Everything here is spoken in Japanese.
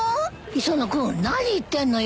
磯野君何言ってんのよ！